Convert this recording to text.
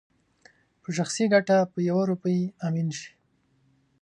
په شخصي ګټه په يوه روپۍ امين شي